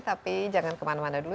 tapi jangan kemana mana dulu